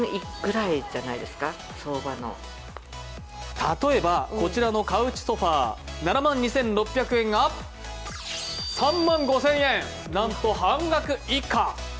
例えばこちらのカウチソファー、７万２６００円が３万５０００円、なんと半額以下。